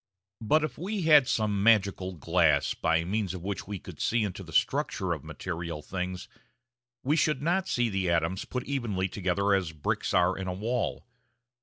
] But if we had some magical glass by means of which we could see into the structure of material things, we should not see the atoms put evenly together as bricks are in a wall.